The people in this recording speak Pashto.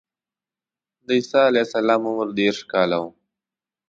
د عیسی علیه السلام عمر دېرش کاله و.